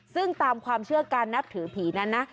ซึ่งตามความเชื่อการนับถือผีนั้นนะ